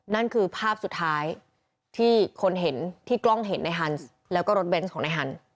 นั่นคือภาพสุดท้ายที่คนเห็นที่กล้องเห็นในฮันส์แล้วก็รถเบนส์ของนายฮัน